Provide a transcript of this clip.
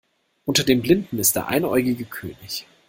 Unter den Blinden ist der Einäugige König.